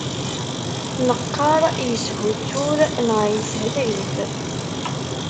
Neqqar yeshuttur neɣ yeshetrif.